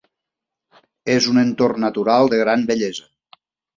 És un entorn natural de gran bellesa.